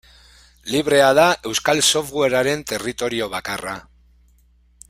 Librea da euskal softwarearen territorio bakarra.